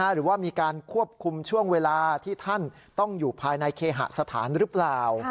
หรือว่ามีการควบคุมช่วงเวลาที่ท่านต้องอยู่ภายในเคหสถานหรือเปล่า